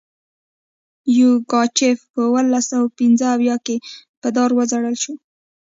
یوګاچف په اوولس سوه پنځه اویا کې په دار وځړول شو.